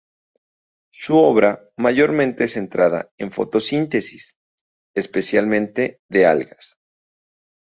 Su obra mayormente centrada en fotosíntesis, especialmente de algas.